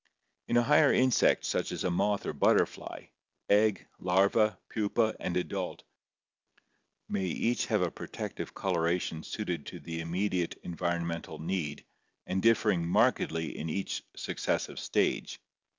In a higher insect such as a moth or butterfly, egg, larva, pupa, and adult may each have a protective coloration suited to the im mediate environmental need and differing markedly in each suc cessive stage.